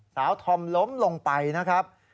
ธอมล้มลงไปนะครับ